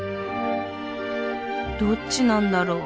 どっちなんだろう。